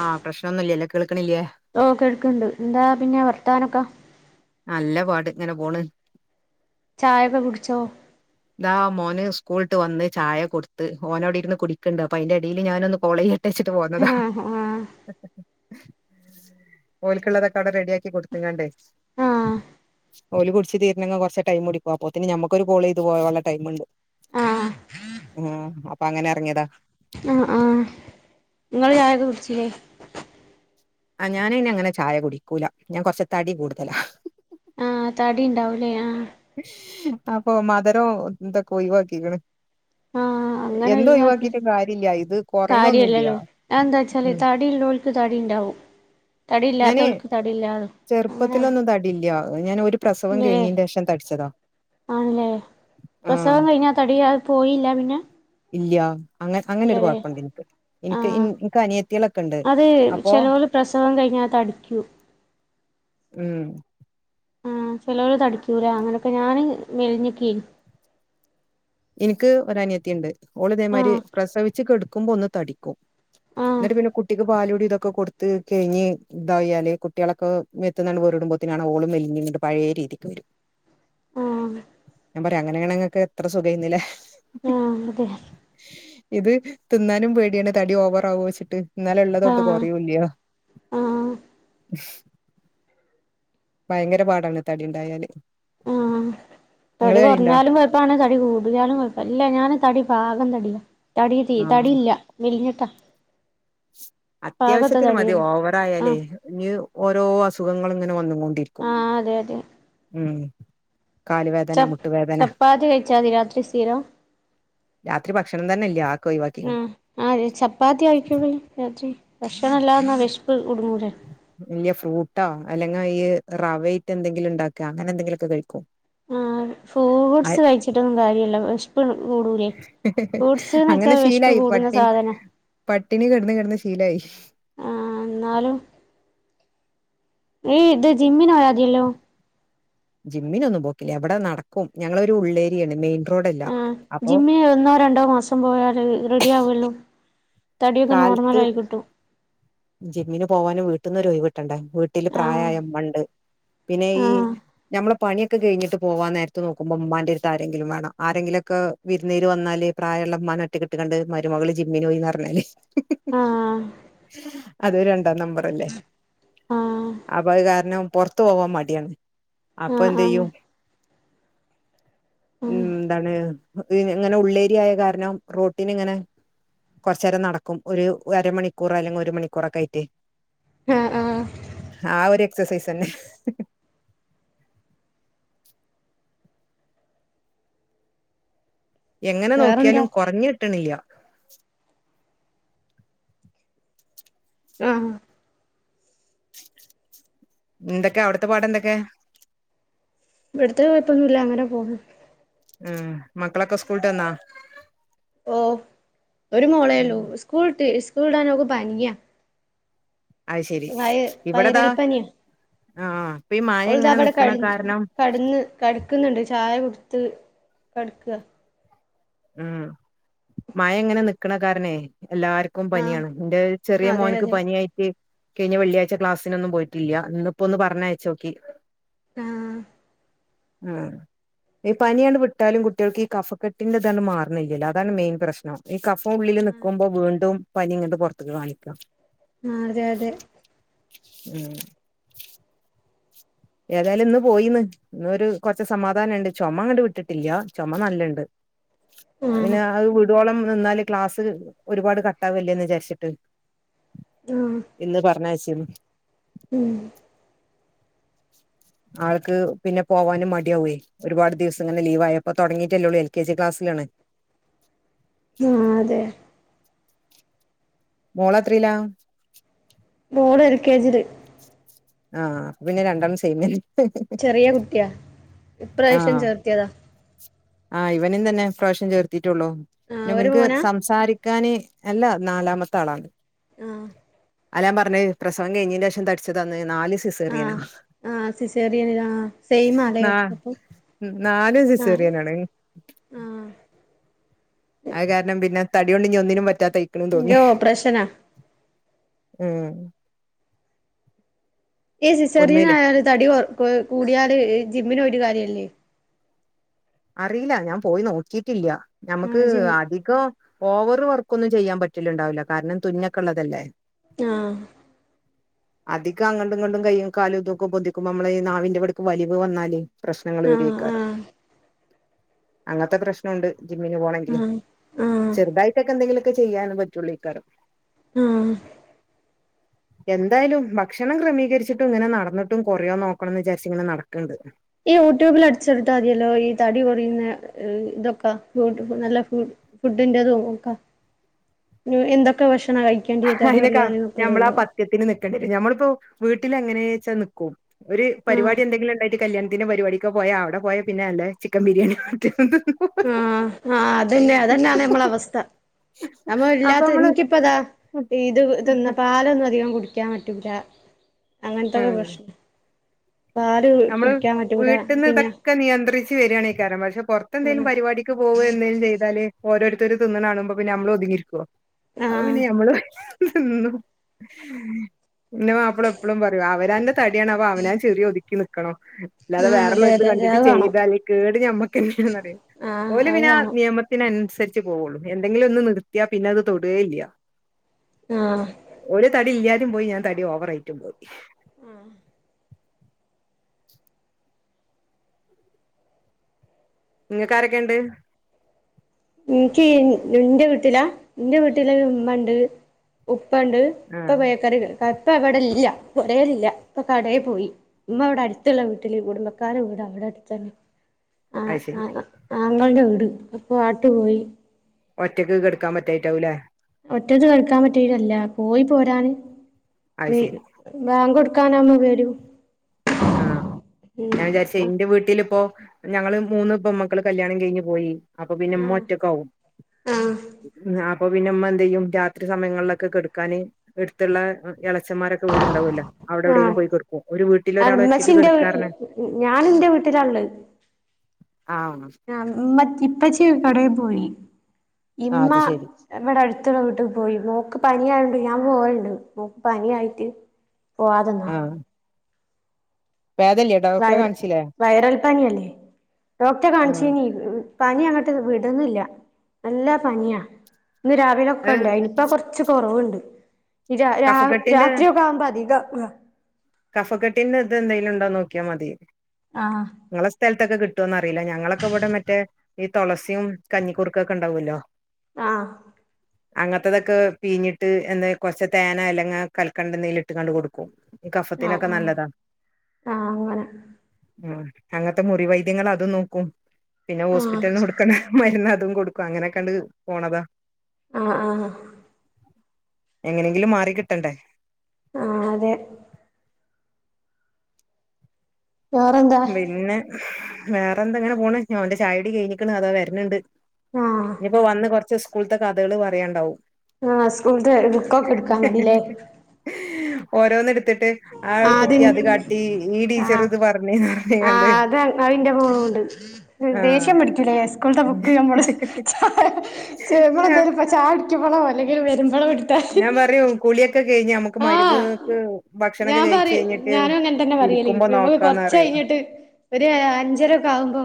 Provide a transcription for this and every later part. ആഹ് പ്രശ്നൊന്നുംല്ല്യല്ലോ കേൾക്ണില്ലേ? ഓഹ്. കേൾക്ണ്ട് എന്താ പിന്നെ വർത്താനൊക്ക? നല്ല പാട് ഇങ്ങനെ പോണ്. ചായൊക്ക കുടിച്ചോ? ഇതാ മോന് സ്കൂളിട്ട് വന്ന് ചായ കൊടുത്ത് ഓനവ്ടെ ഇരുന്ന് കുടിക്ണ്ട് അപ്പൊ അയ്ന്റെടീല് ഞാനൊന്ന് കോളെയ്യ ട്ടേച്ചിട്ട് പോന്നതാ. ആ ആ ഓൽക്ള്ളതൊക്കെ അവ്ടെ റെഡി ആക്കി കൊടുത്ങ്ങാണ്ടേ ആ ഓല് കുടിച്ച് തീര്ണെങ്കി കൊർച്ച് ടൈമ് മുടിക്കും അപ്പോതിന് ഞമ്മക്കൊരു കോളെയ്ത് പോവാൻള്ള ടൈമുണ്ട്. ആ ഹാഹ് അപ്പ അങ്ങനെ എർങ്ങിയതാ. ആഹ് ആഹ് ഇങ്ങള് ചായൊക്കെ കുടിച്ചില്ലേ? ആഹ് ഞാന് പിന്നെ അങ്ങനെ ചായ കുടിക്കൂല ഞാന് കൊറച്ച് തടി കൂടുതലാ. ആഹ് തടി ഉണ്ടാവുലേ ആഹ് അപ്പൊ മധുരോം ഇതൊക്കെ ഒഴിവാക്കീക്ണ്. ആ അങ്ങനെ എന്ത് ഒഴിവാക്കി ഒഴിവാക്കിട്ടും കാര്യല്ല. ഇത് കൊറിണൊന്നും ഇല്ല. കാര്യല്ലല്ലോ അതെന്താ വെച്ചാല് ഉം തടി ഇല്ലോല്ക്ക് തടി ഉണ്ടാവും ഞാന് തടിയില്ലാത്തോൽക്ക് തടിയില്ലാന്നും ചെറുപ്പത്തിലൊന്നും തടില്ല്യാ. ഞാൻ ഒരു പ്രസവം ഇല്ലല്ലേ കഴിഞ്ഞീൻ്റേഷം തടിച്ചതാ ആഹ് പിന്നെ ആ തടിയാ പോയില്ലാ പിന്നെ? ഇല്ല്യാ. അങ്ങെ അങ്ങനെ ഒരു ഇല്ലല്ലേ കൊഴപ്പണ്ട് ഇൻക്ക്. ആ ഇൻക്ക് ഇൻ ക്ക് അനിയത്തിയേളൊക്കെ ണ്ട്. അത് അപ്പൊ ചെലോല് പ്രസവം കഴിഞ്ഞാ തടിക്കു ഉം അഹ് ചെലോല് തടിച്ചൂല. അങ്ങനൊക്കെ ഞാന് മെലിഞ്ഞക്കേനി. ഇൻക്ക് ഒരനിയത്തിണ്ട്. ഓള് ഇതേമാതിരി ആഹ് പ്രസവിച്ച് കെടക്കുമ്പോ ഒന്ന് തടിക്കും. ആഹ് ന്നിട്ട് പിന്നെ കുട്ടിക്ക് പാലൂടി ഇതൊക്കെ കൊട് ത് കഴിഞ്ഞ് തായാല് കുട്ടികളൊക്കെ മേത്ത്ന്നാണ്ട് വേറിടുമ്പോത്തിന് ആണ ഓള് മെലിഞ്ങ്ങണ്ട് പഴയ രീതിക്ക് വരും ആഹ് ഞാൻ പറയാ അങ്ങനെയെണങ്ങക്ക് എത്ര സുഖേന്നില്ലെ ആ അതെ ഇത് തിന്നാനും പേടിയാണ് തടി ഓവർ ആകോ ച്ചിട്ട് ഇന്നാല് ഉള്ളതൊട്ട് ആഹ് കൊറയൂല്ല ആഹ് ഭയങ്കര പാടാണ് തടിണ്ടായാല് ങ്ങള് തടിണ്ടാ? ഇപ്പാണ് തടി കൂടിയാലും കുഴപ്പ ഇല്ല ഞാന് തടി പാകം തടിയാ തടി തീ ആഹ് തടിയില്ല മെലിഞ്ഞിട്ടാ പാകത്തെ അത്യാവശ്യത്തിന് മതി തടിയൊള്ളു ഓവറായാലേ ആഹ് ഇനി ഓരോ അസുഖങ്ങള് ഇങ്ങനെ വന്ന് കൊണ്ടിരിക്കും ആ അതെ അതെ ഉം കാലുവേദന ച മുട്ടുവേദന ചപ്പാത്തി കഴിച്ചാൽ മതി രാത്രി സ്ഥിരം രാത്രി ഭക്ഷണം തന്നെ ഇല്ല്യ അതൊക്കെ ഒഴിവാക്കി ആ ആ ചപ്പാത്തി കഴിക്കുള്ളേ രാത്രി ഭക്ഷണം ഇല്ലാതെ നിന്നാ വിഷപ്പ് കുടുങ്ങൂലേ ഇല്ല്യ ഫ്രൂട്ടോ അല്ലെങ്കി ഈ റവയിറ്റ് എന്തെങ്കിലും ഉണ്ടാക്ക അങ്ങനെ എന്തെങ്കിലുക്കെ കഴിക്കും ആ ഫ്രൂട്ട്സ് കഴിച്ചിട്ടൊന്നും കാര്യല്ല വെശ് പ്പ് കൂടൂലേ ഫ്രൂട്ട്സ്ന്ന് അങ്ങനെ വെച്ചാൽ വിഷ്പ് ശീലായി കൂടുന്ന പട്ടിണി സാധന പട്ടിണി കിടന്ന് കിടന്ന് ശീലായി ആ ന്നാലും ഈ ഇത് ജിമ്മിന് പോയ മതീലോ ജിമ്മിനൊന്നും പോക്കില്ലേ ഇവിടെ നടക്കും ഞങ്ങളൊരു ഉള്ളേരിയാണ് മെയിൻ റോഡല്ല ആ അപ്പൊ ജിമ്മ്ന് ഒന്നോ രണ്ടോ മാസം പോയാൽ റെഡി ആകുവല്ലൊ തടിയൊക്കെ നോർമൽ കാലത്ത് ആയി കിട്ടും ജിമ്മിന് പോവാനും വീട്ടന്നൊരു ഒഴിവ് ട്ടണ്ടേ വീട്ടില് ആഹ് പ്രായായ ഉമ്മ ണ്ട് പിന്നെ ഈ ആഹ് നമ്മള് പണിയൊക്കെ കഴിഞ്ഞിട്ട് പോവാൻ നേരത്ത് നോക്കുമ്പോ ഉമ്മാന്റെ അടുത്ത് ആരെങ്കിലും വേണം ആരെങ്കിലും ഒക്കെ വിരിന്നാര് വന്നാല് പ്രായള്ള ഉമ്മാനെ ഒറ്റക്കു ഇട്ട്ക്കാണ്ട് മരുമകള് ജിമ്മിന് പോയി ന്ന് റഞ്ഞാല് ആഹ്‌ അത് രണ്ടാം നമ്പർ അല്ലേ ആഹ് അപ അതു കാരണം പുറത്ത് ത്ത് വാൻ മടിയാണ് അപ്പൊ ആഹ് എന്തു ആഹ് ചെയ്യും ഉം ന്താണ് ഇങ്ങനെ ഉള്ളേരിയായ കാരണം റോട്ടന് ഇങ്ങനെ കൊറച്ച നേരം നടക്കും ഒരു അരമണിക്കൂർ അല്ലെങ്കിൽ ഒരു മണിക്കൂറൊക്കെ ആയിട്ട് ആഹ്‌ ആഹ്‌ ആ ഒരു എക്സസൈസ് അന്നെ എങ്ങനെ വേറെന്താ നോക്കിയാലും കുറഞ്ഞു കിട്ടണില്ല ആഹ്‌ ന്തൊക്കെ അവിടത്തെ പാട് എന്തൊക്കെ ഇവിടത്തെ കുഴപ്പൊന്നുല്ല അങ്ങനെ പോണ് ആ മക്കളൊക്കെ സ്കൂളിട്ട്ന്നാ ഓ ഒരു മോളെള്ളൂ സ്കൂൾ ഇട്ട് സ്കൂൾ ഇടാനോക്ക് പനിയ അത് ശരി ഇവിടതാ വൈറൽപ്പനിയാ ആഹ ഇപ്പൊ ഈ മഴ ങ്ങനെ നിക്കണ കാരണം കടന്ന് കടക്കുന്നുണ്ട് ചായ കൊടുത്ത് കട്ക ഉം മഴ ങ്ങനെ നിക്കണ കാരണെ എല്ലാർ ക്കും പനിയാണ് ന്റെ ആഹ് ചെറിയ അതെ മോൻക്ക് അതെ പനിയായി ട്ട് കഴിഞ്ഞ വെള്ളിയാഴ്ച ക്ലാസിനൊന്നും പോയിട്ടില്ല ഇന്ന ഇപ്പോ ഒന്ന് പറഞ്ഞയച്ചോക്കി ആഹ്‌ ആ ഈ പനിയാണ് വിട്ടാലും കുട്ടികൾക്ക് ഈ കഫക്കെട്ടിന്റെ ട്ടാണ് ണ്ട് മാറണില്യല്ലോ അതാണ് മെയിൻ പ്രശ്നം ഈ കഫം ഉള്ളിൽ നിക്കുമ്പോ വീണ്ടും പനി ങ്ങണ്ട് പുറത്തേക്ക് കാണിക്കാ ആ അതെ അതെ ഉം ഏതായാലും ഇന്ന് പോയിന്ന് ഇന്ന് ഒരു കൊറച്ച സമാധാനുണ്ട് ചുമങ്ങണ്ട് വിട്ടിട്ടില്ല ചോമ നല്ലണ്ട്. ആഹ് പിന്നെ അത് വീടോളം നിന്നാല് ക്ലാസ് ഒരുപാട് കട്ടാവല്ലേന്ന് വിചാരിച്ചിട്ട് ആഹ് ഇന്ന് പറഞ്ഞ്ച്ചരുന്നു. ഉം. ആൾക്ക് പിന്നെ പോവാനും മടയാവേ. ഒരുപാട് ദിവസങ്ങെ ലീവ ആയപ്പോ തുടങ്ങിട്ടല്ലേള്ളൂ എൽ കെ ജി ക്ലസ്സിലാണ്. ആഹ് അതെ മോളത്രീല? മോള് എൽ കെ ജില് ആഹ് അപ്പൊ പിന്നെ രണ്ടണ്ണം ചൈയിമ ചെറിയ കുട്ടിയാ ഇപ്രാവശ്യം ചേർത്തിയതാ ആ ഇവനും തന്നെ പ്രാവശ്യം ചേർത്തിട്ടുള്ളൂ ആഹ് ഒരു പിന്നവനക്ക് മോനാ സംസാരി ക്കാന് അല്ല നാലാമത്തെ ആളാണ് ആ.. അല്ലാൻ പറഞ്ഞേ പ്രസവം കഴിഞ്ഞേനെ ശേഷം തടിച്ചതന്ന് നാല് സിസേറിയനാ ആഹ സിസറിയണ സെയിമാല്ലേ നാ അപ്പം നാലും ആഹ് സിസേറിയനാണ് ആഹ്.. അത് കാരണം പിന്നെ തടി കൊണ്ട് ഇഞ ഒന്നിനും പറ്റാ തയ്ക്കണ തോങ്ങി ഇന്റെ ഓപ്പറേഷനാ ഉം.. ഈ സിസ്സറിയൻ ഒന്നില് ആയാല് തടി കൊറെ കൂടിയാല് ജിമ്മിന് പോയിട്ട് കാര്യല്ലേ അറിയില്ല ഞാൻ പോയി നോക്കിട്ടില്ല ഞമ്മുക്ക് ആഹ് ജിം ആദ്യ ഇക്ക ഓവറെ വർക്ക ഒന്നും ചെയ്യാൻ പറ്റില്ലുണ്ടാവില്ല കാരണം തുന്നക്കെ ള്ളതല്ലേ ആഹ് അധികം അങ്ങണ്ടും ഇങ്ങണ്ടും കൈയും കാലും ഇതുംക്കെോധക്കുമ്പോ നമ്മള നാവിന്റെവിടക്ക് വലിവ് വന്നാല് പ്രശ്നങ്ങൾ ആഹ് വരിയക്കാര ആഹ് അങ്ങനത്തെ പ്രശ്നുണ്ട് ജിമ്മിന് പോണമെങ്കില് ആഹ് ആഹ് ചെറുതായിട്ടൊക്കെന്തെങ്കിലൊക്ക ചെയ്യൻ പറ്റുള്ളൂഈ കാരം ആഹ് [inaudible] എന്തായാലും ഭക്ഷണം ക്രമീകരിച്ചിട്ടും ഇങ്ങനെ നടന്നിട്ടും കൊറയോ നോക്കണംന്ന് വിചാരിച്ച ഇങ്ങനെ നടക്കണ്ട്. ഈ യൂട്യൂബിൽ അടിച്ചെടുത്താ മതിയല്ലോ ഈ തടി കുറിയുന്ന ഇതൊക്കാ ഫ് നല്ല ഫു ഫുഡിന്റെറതും ഒക്ക മ്മ് എന്തൊക്കെ ഭക്ഷണം കഴി വേണ്ടി തടികൊറിയാന് ഒക്കള്ളത് ണ്ടോ. ക്യത്തിന് നിക്കണ്ടേരും നമ്മളിപ്പോ വീട്ടില് എങ്ങനെയാച്ചാ നിക്കും ഒരു ആഹ് പരിപാടി എന്തെങ്കിലും ഉണ്ട. ഒരു കല്യാണത്തിനോ പരിപാടിക്ക പോയാ അവിടെ പോയാ പിന്നെ നല്ലചിക്കൻ ബിയാണിയിട്ട് എന്ത് ആഹ്ആഹ് അതന്നെ അതന്നെയാണ് ഞ മ്മള അവസ്ഥ. നമ്മ അപ്പൊ ഇല്ലാത്ത നമ്മള് ഇൻക്കിപ്പതാ. ഇത് തിന്ന പാലൊന്നും അധികം കുടിക്കാപറ്റൂല അങ്ങനത്തൊക്കെ ആഹ് പ്രശ്. പാല് കുടിക്കാപറ്റൂല പിന്നെ. ഒക്ക നിയന്ത്രിച്ച് വരാണേകാരം പക്ഷെ പുറത്തെ എന്തേലും ആഹ് പരിപാടി. ക്ക് പോവ എന്തെലും ചെയ്താല് ഓരോരുത്തര് തിന്ന്ണ കാണുമ്പോ പിന്നെ നമ്മള് ഒതുങ്ങിരിക്കോ. ആഹ് അപ്പപിന്നെ ഞമ്മള്നിന്നു. ഇന്റ മാപ്പള എപ്പളും പറയും അവനാന്റെ തടിയാണ് അപ്പൊ അവനാൻ ചിറിഒദ്ക്കിനി. ക്കണോ. അല്ലാതെ ആഹ് അതെ വേറെല്ലോരിതേ അതെ അതെ കണ്ടിട്ട് അത് കാണും ചെയ്താല് കേട് ഞമ്മക്കന്നാനറിം ആഹ് ഓല് അത് പിന്നെ കാണും ആനിയമ. തിനനുസരിച്ച് പോവുള്ളൂ എന്തെങ്കിലും ഒന്ന് നിർത്തിയാ പിന്നത് തൊടേല്ല. ആഹ്. ഓല് തടി ഇല്ലാതേം പോയി ഞാൻ തടി ഓവറായിറ്റും പോയി ങ്ങക്ക് ആരെക്കെണ്ട് ഇൻക്ക് എ് ഇന്റെ വീട്ടിലാ ഇന്റെ വീട്ടില് ഇമ്മണ്ട് ഉപ്പണ്ട് ആഹ് ഇപ്പ ബേക്കറി കേറി കറ്റവടെല്ല പൊരേലില്ല ഇപ്പൊ കടയീ പോയി ഇമ്മ വടെ അടുത്ത്ള്ള വീട്ടില് കുടുംബക്കാര വീടാ ഇവടെ അട്ത്തന്നെ അയ്ശരി ആങ്ങളന്റെ വീട് അപ്പോ അങ്ങട്ട് പോയി ഒറ്റക്ക് കെട്ക്കാ പറ്റായിട്ടാവൂലേ ഒറ്റക്ക് കെടക്കാംപറ്റായ്ട്ടല്ല പോയി പോരാന് അത് വീ ശരി ബാങ്കാെടുക്കാനാവുമ്പോ വരും ആഹ് ഞാവിചാരിച്- ഉം ഇന്റെ വീട്ടില് പ്പോ ഞങ്ങള് മൂന്ന് പെമ്മക്കള് കല്യാണം കഴിഞ്ഞ് പോയി അപ്പ പിന്നെ ആഹ് മ്മഒറ്റക്കാവും ആഹ് ആഹ് അപ്പൊ പിന്നെമ്മഎന്തയ്യും രാത്രി സമയങ്ങളിലൊക്കെ കെട്ക്കാന് എട്ത്ത്ള്ള എളച്ചന്മാരൊ വീട്ണ്ടാവുല്ലോ അവിടെവിടെങ്കിലും ആഹ് പോയി കെട്ക്കും ഒരു വീട്ട് ആഹ് മ്മച്ചിന്റെ വീട്ടില് ഞാനിന്റെ വീട്ടിലാള്ളെ ആഹ് ആഹ് ഇമ്മ ഇപ്പച്ചി കടേപോയി ഇമ്മ അത് ശരി ഇവിടെ അട്ത്ത്ള്ളവീട്ട് പോയി മോക്ക് പനിയായോണ്ട് ഞാൻ പോയിണ്ട് മോക്ക് പനിയായിട്ട് പോവാതന്നാ പേതല്ലേ വയർ വയറൽപ്പനിയല്ലേ ഡോക്ടറെ ആഹ് കാണിചീനി പന്യങ്ങട്ട് വിട്ന്നില്ല നല്ല പനിയാ ഇന്ന് രാവിലൊക്കെ അത് ണ്ടായിനി പ്പ കൊറച്ച് കൊറവ്ണ്ട് ര രാ കഫക്കെട്ടിന്റെ രാത്രിയൊക്കെ ആകുമ്പോ അധികാക കഫക്കട്ടിന്റെ ഇത് എന്തെലും ണ്ടോ നോക്കിയാ മതി ആഹ് ങ്ങളെ സ്ഥലത്തൊക്കെ കിട്ടോന്ന് അറീല്ല ഞങ്ങളെക്കെവ്ടെ മറ്റേ ഈ തൊളസിം കഞ്ഞിക്കുർക്കെക്കെ ണ്ടാവുല്ലോ ആഹ് അങ്ങത്തതക്കെ പീഞ്ഞിട്ട് എന്ന് കൊർച് തേന് അല്ലങ കൽക്കണ്ട ന്തേലും ഇട്ട്ങ്ങാണ്ട് കൊടുക്കും ഈ ആഹ് കഫത്തിനൊക്കെ ആഹ് നല്ലതാ [inaudible] ആഹ് അങ്ങനെ ഉം അങ്ങത്തെ മുറി വൈദ്യങ്ങള് അതും നോക്കും പിന്നെ ആഹ് ഹോസ്പിറ്റലിന്ന് കൊട്ക്കണെ മരുന്ന് അതും കൊടുക്കും അങ്ങനെക്കെണ്ട് പോണതാ ആഹ് ആഹ് ആഹ് എങ്ങനെങ്കിലും മാറി കിട്ടണ്ടേ ആഹ് അതെ വേറെന്താ പിന്നെ വേറെ എന്തെങ്ങനെ പോണ് ഞാഓന്റെ ചായുടി കഴിഞ്ഞിക്ക്ണോ അതാ വര്ന്ണ്ട് ആഹ് ഇനിപ്പോ വന്ന് കൊറച്ച് സ്കൂള്ത്തെ കഥകള് പറയാണ്ടാവും ആഹ് സ്കൂള്ത്തെ ബുക്കൊക്കെ ഇട്ക്കാൻ മടില്ലേ ഓരോന്ന് ഇട്ത്തിട്ട് ആ കുട്ടി ആദ്യം അത് കാട്ടി ഈ ടീച്ചർ ആഹ് ഇത് പറഞ്ഞ് ആഹ് അത് അഇന്റെ മോനൂണ്ട് ആഹ് ദേഷ്യം പടിക്കില്ലേ സ്കൂള്ത്തെ ബുക്ക് നമ്മള് [unintelligible] എന്തെലും ചായുട് ക്കുമ്പളോ അല്ലെങ്കിവരുമ്പളോ ഇട് ഞാൻ പറയും കുളിയൊക്കെ കഴിഞ്ഞാ നമു നമക്ക് ആഹ് മഗ്‌രിബ്ക്ക് ഭക്ഷണൊക്കെ ഞാൻ പറയും കഴിച്ച്കഴിഞ്ഞിട്ട് ഞാനും അങ്ങനെ തന്നെ പറയല് ഇരിക്കുമ്പോ ഞമ്മക്ക് കൊറച്ച് നോക്കാന്നറിയും കഴിഞ്ഞിട്ട് ഒരു അഅഞ്ചരൊക്കെ ആവുമ്പോ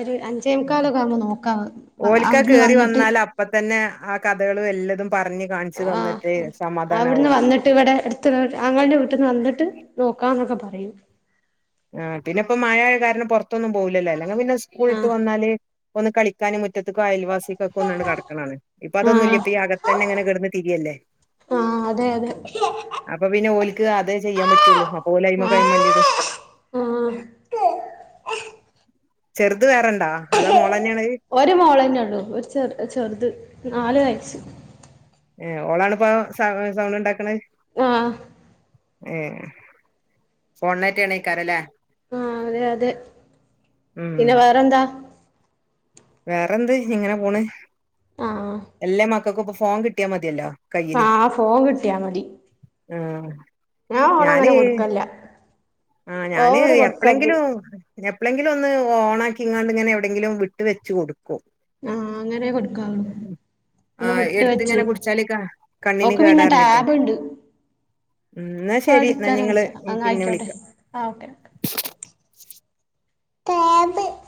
ഒരു അഞ്ച് ഞ്ചേ മുക്കാലൊക്കെ ആവുമ്പോ നോക്കാം അഅവിടുന്ന് വന്നിട്ട് പ്പത്തന്നെ ആ കഥകളും എല്ലതും പറഞ് കാണിച്ച് തന്നിട്ടെ സമാധാനാവൊള്ളൂ ഇവടെ അടുത്ത വീ ആങ്ങളുടെ വീട്ടിൽ വന്നിട്ട് നോക്കാം എന്നൊക്കെ പറയും ആ പിന്നെ ഇപ്പം മഴ കാരണം പെറത്തൊന്നും പോവില്ലല്ലോ അല്ലെ പിന്നെ സ്കൂളിട്ട് ആഹ് വന്നാല് ഒന്ന് കളിക്കാനും മുറ്റത്തും അയൽവാസി ക്ക ഒന്നാണ് കടക്കണാണ് ഇപ്പൊ അത് ഒന്നുയില്ല്യാ ആഹ് ഇപ്പം അകത്തന്നെങ്ങനെ കെടന്ന് തിരിയല്ലേ ആഹ് അതെ അതെ അപ്പൊ പിന്നെഓലിക്ക് അത് ചെയ്യാൻ പറ്റുള്ളു അപ്പൊ ഓല് അമകയ മല്ലിയിടു ആഹ് [inaudible] ചെറുത് വേറെണ്ടാ അത് മോളനിളയിൽ ഒരു മോള് തന്നെയുള്ളു ഒരു ചെ ചെറുത് നാല് വയസ്സ് ഏ ഓളണിയിപ്പ സ സൗണ്ട് ഒണ്ടാക്കണെ ആഹ് ഉം ഫോൺ ഡോറ്റാ ആണെങ്കി കലരാൻ ആഹ് അതെ അതെ ഉം പിന്നെ വേറെ എന്താ വേറെ എന്ത് ഇങ്ങനെ പോണ് ആഹ് എല്ലാ മക്കൾക്കും ഇപ്പൊ ഫോൺ കിട്ടിയാ മതിയല്ലോ കയ്യില് ആഹ് ഫോൺ കിട്ടിയാ മതി ആഹ് ഞാൻ ഞാന് ഫോണങ്ങനെ കൊടുക്കല്ല ആഹ് ഞാന് ഓവറ് കൊടുക്കരുത് എപ്പളെങ്കിലൊ എപ്പളെങ്കിലും ഒന്ന് ഓണാക്കി എങ്ങാണ്ട് ഇങ്ങനെ എവിടെങ്കിലും വിട്ട് വെച്ച് കൊടുക്കും ആഹ് അങ്ങനെ കൊടുക്കാവു ഒന്ന് ആഹ് വിട്ട് വെച്ച് എടുത്തിങ്ങനെ പിടിച്ചാല് കാ കണ്ണിന് ഓക്ക് പിന്നെ കേടാറിഞ്ഞിട്ടെ ടാബ് ഒണ്ട് ഉം എന്നാ ശരി എന്നാ നിങ്ങള് ആടിക്കാരുയില്ല അങ്ങ് പിന്നെ വിളിക്കാം ആയിക്കോട്ടെ ആഹ് ഓക്കെ, ഓക്കെ